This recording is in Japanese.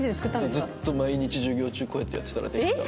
ずっと毎日授業中こうやってやってたらできた。